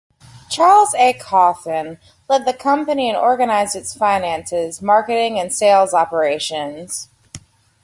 Charles A. Coffin led the company and organized its finances, marketing and sales operations.